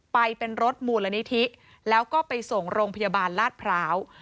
ไปเป็นรถมูลนิธิแล้วก็ไปส่งโรงพยาบาลลาดพร้าว